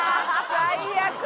最悪！